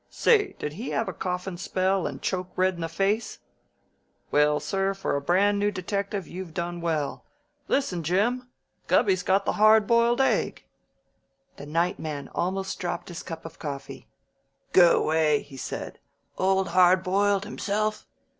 Say, did he have a coughin' spell and choke red in the face? Well, sir, for a brand new detective, you've done well. Listen, Jim: Gubby's got the Hard Boiled Egg!" The night man almost dropped his cup of coffee. "Go 'way!" he said. "Old Hard Boiled? Himself?"